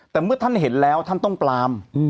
แต่เมื่อท่านเห็นแล้วท่านต้องปลาม